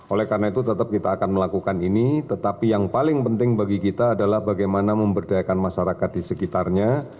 oleh karena itu tetap kita akan melakukan ini tetapi yang paling penting bagi kita adalah bagaimana memberdayakan masyarakat di sekitarnya